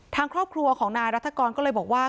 ทางครอบครัวของนายรัฐกรก็เลยบอกว่า